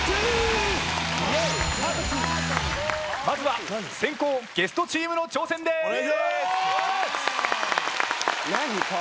まずは先攻ゲストチームの挑戦です。